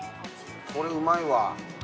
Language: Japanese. これうまいわ。